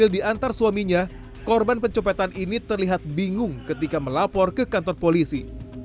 diantar suaminya korban pencopetan ini terlihat bingung ketika melapor ke kantor polisi